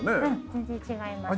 全然違います。